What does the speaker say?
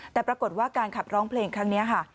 แต่ปรากฏว่าการขับร้องเพลงครั้งนี้ค่ะ